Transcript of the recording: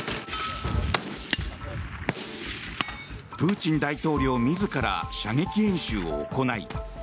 プーチン大統領自ら射撃演習を行い